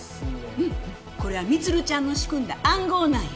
うんこれは充ちゃんの仕組んだ暗号なんよ。